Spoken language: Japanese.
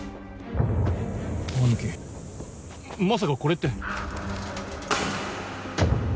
まさかこれって。